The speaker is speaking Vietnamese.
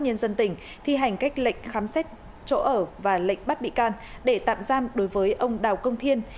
nhân dân tỉnh thi hành các lệnh khám xét chỗ ở và lệnh bắt bị can để tạm giam đối với ông đào công thiên